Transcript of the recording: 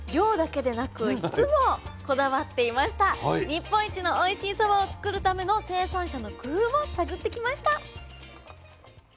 日本一のおいしいそばをつくるための生産者の工夫を探ってきました。